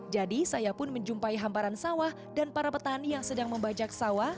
jadi saya pun menjumpai hamparan sawah dan para petani yang sedang membajak sawah